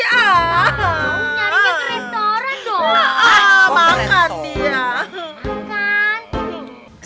nyari nyari ke restoran dong